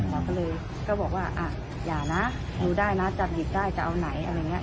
เราก็เลยก็บอกว่าอ่ะอย่านะดูได้นะจับหยิบได้จะเอาไหนอะไรอย่างนี้